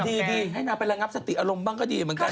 ดีให้นางไประงับสติอารมณ์บ้างก็ดีเหมือนกัน